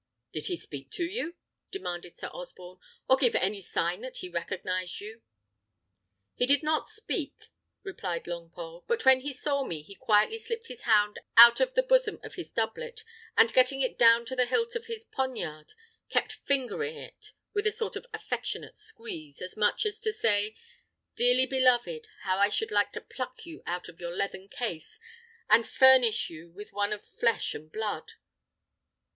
"Did he speak to you?" demanded Sir Osborne, "or give any sign that he recognised you?" "He did not speak," replied Longpole; "but when he saw me, he quietly slipped his hand out of the bosom of his doublet, and getting it down to the hilt of his poniard, kept fingering it with a sort of affectionate squeeze, as much as to say, 'Dearly beloved, how I should like to pluck you out of your leathern case, and furnish you with one of flesh and blood!'